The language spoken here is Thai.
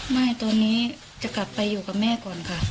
ไม่ตอนนี้จะกลับไปอยู่กับแม่ก่อนค่ะ